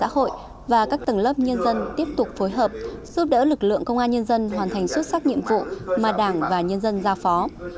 hợp giúp đỡ lực lượng công an nhân dân hoàn thành xuất sắc nhiệm vụ mà đảng và nhân dân ra phó